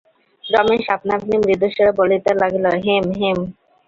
রমেশ আপনা-আপনি মৃদুস্বরে বলিতে লাগিল হেম, হেম!